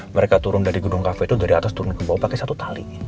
mereka turun dari gedung kafe itu dari atas turun ke bawah pakai satu tali